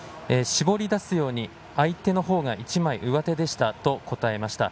絞り出すように相手のほうが一枚上手でしたと答えました。